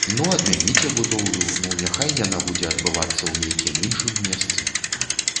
Ну адмяніце будоўлю, ну няхай яна будзе адбывацца ў нейкім іншым месцы.